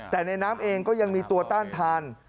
แต่ในน้ำเองก็ยังมีตัวต้านทาน